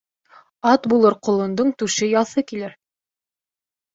Ат булыр ҡолондоң түше яҫы килер